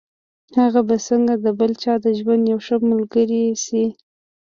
هغه به څنګه د بل چا د ژوند يوه ښه ملګرې شي.